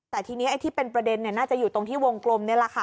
แต่ทีนี้ไอ้ที่เป็นประเด็นน่าจะอยู่ตรงที่วงกลมนี่แหละค่ะ